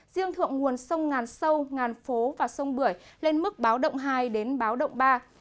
riêng thượng nguồn sông ngàn sâu ngàn phố và sông bưởi lên mức báo động hai đến báo động ba